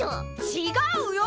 ちがうよ！